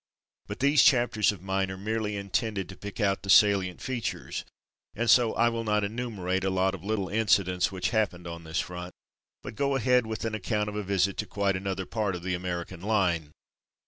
But these chapters of mine are merely intended to pick out the salient features, and so I will not enumerate a lot of little incidents which happened on this front, but go ahead with an account of a visit to quite another part of the American line.